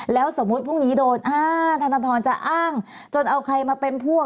แล้วสมมุติพรุ่งนี้โดนอ่าธนทรจะอ้างจนเอาใครมาเป็นพวก